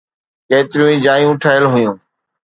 ڪيتريون ئي جايون ٺهيل هيون